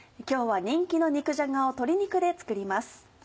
今日は人気の肉じゃがを鶏肉で作ります。